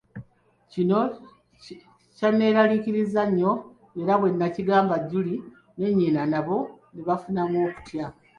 Kino kyanneraliikiriza nnyo era bwe nakigambako Julie ne nnyina nabo ne bafunamu okutya.